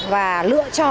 và lượng tủi ni lông